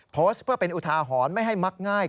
โพสต์เพื่อเป็นอุทาหรณ์ไม่ให้มักง่าย